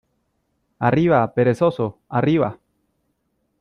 ¡ arriba, perezoso!... ¡ arriba !